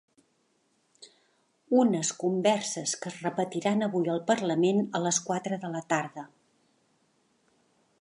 Unes converses que es repetiran avui al parlament a les quatre de la tarda.